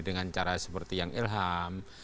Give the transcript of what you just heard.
dengan cara seperti yang ilham